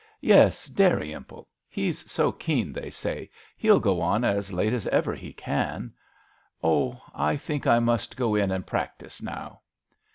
" Yes, Dalrymple ; he's so keen, they say; he'll go on as late as ever he can." " Oh ! I think I must go in and practise now."